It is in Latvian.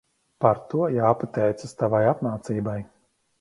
Par to jāpateicas tavai apmācībai.